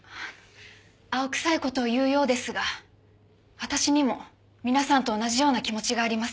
青臭い事を言うようですが私にも皆さんと同じような気持ちがあります。